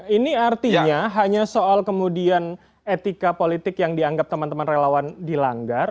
ini artinya hanya soal kemudian etika politik yang dianggap teman teman relawan dilanggar